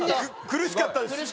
苦しかったです。